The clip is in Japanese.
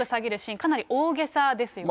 かなり大袈裟ですよね。